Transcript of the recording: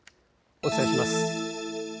お伝えします。